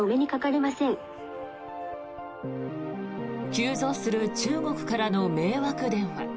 急増する中国からの迷惑電話。